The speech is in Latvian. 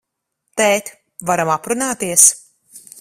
Tēt, varam aprunāties?